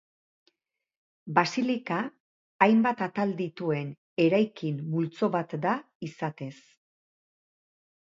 Basilika hainbat atal dituen eraikin multzo bat da izatez.